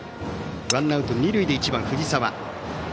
ワンアウト二塁で１番、藤澤。